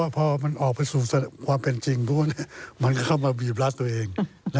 พอมันออกไปสู่ความเป็นจริงพวกนี้มันก็เข้ามาบีบรัดตัวเอง